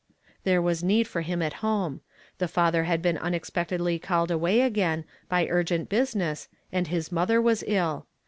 There was need for him at home. The father had lict'n unexpectedly called away again, by urgent business, and iiis mother was ill.